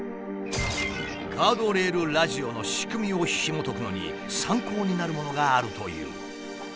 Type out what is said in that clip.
ガードレールラジオの仕組みをひもとくのに参考になるものがあるという。